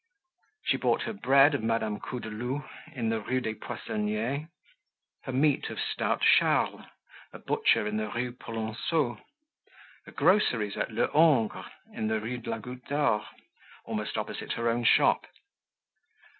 She bought her bread of Madame Coudeloup, in the Rue des Poissonniers; her meat of stout Charles, a butcher in the Rue Polonceau; her groceries at Lehongre's, in the Rue de la Goutte d'Or, almost opposite her own shop.